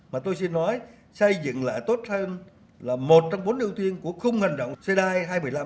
mà tôi xin nói xây dựng lại tốt hơn là một trong bốn ưu tiên của khung hành động cedai hai nghìn năm trăm hai mươi